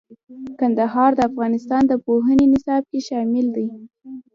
کندهار د افغانستان د پوهنې نصاب کې شامل دي.